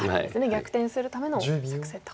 逆転するための作戦と。